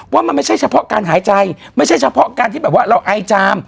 ว่ามันไม่ใช่เฉพาะการหายใจไม่ใช่เฉพาะการที่แบบว่าเราไอจาม